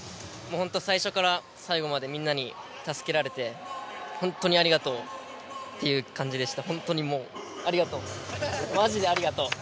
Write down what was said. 本当最初から最後までみんなに助けられて本当にありがとうという感じでした。